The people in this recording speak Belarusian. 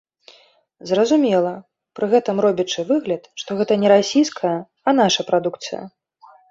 Зразумела, пры гэтым робячы выгляд, што гэта не расійская, а наша прадукцыя.